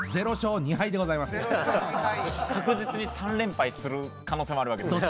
確実に３連敗する可能性もあるわけですね。